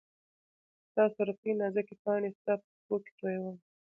ستا سورکۍ نازکي پاڼي ستا په پښو کي تویومه